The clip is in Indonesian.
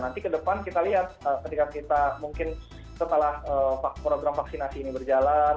nanti ke depan kita lihat ketika kita mungkin setelah program vaksinasi ini berjalan